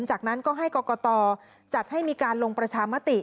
จากนั้นก็ให้กรกตจัดให้มีการลงประชามติ